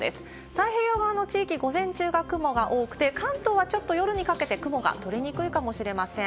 太平洋側の地域、午前中が雲が多くて、関東はちょっと夜にかけて、雲が取れにくいかもしれません。